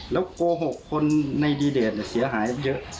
แล้วโกหกคนในดีเดตเสียหายเยอะ